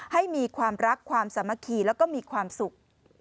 ให้มีความรักความสามัคคีแล้วก็มีความสุข